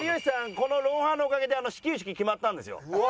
この『ロンハー』のおかげで始球式決まったんですよ。